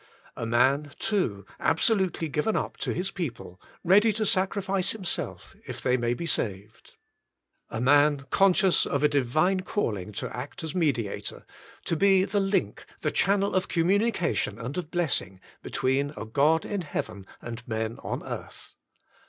A man, too, absolutely given up to his people, ready to sacrifice himself, if they may be saved. A man conscious of a Divine calling to act as mediator, to be the link, the channel of com munication and of blessing, between a God in heaven and men on earth.